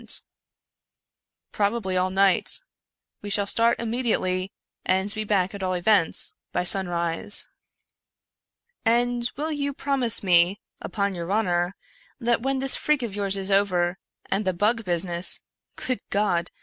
" 134 Edzar Allan Poe 'it " Probably all night. We shall start immediately, and be back, at all events, by sunrise." " And will you promise me, upon your honor, that when this freak of yours is over, and the bug business (good God!)